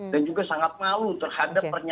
dan juga sangat malu terhadap persyaratannya